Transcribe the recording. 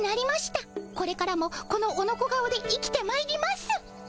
これからもこのオノコ顔で生きてまいります。